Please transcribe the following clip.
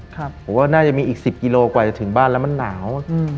ผมว่าน่าจะมีอีก๑๐กิโลกว่าจะถึงบ้านแล้วมันหนาว